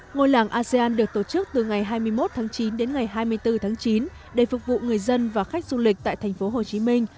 ngôi làng asean được tổ chức từ ngày hai mươi một tháng chín đến ngày hai mươi bốn tháng chín để phục vụ người dân và khách du lịch tại thành phố hồ chí minh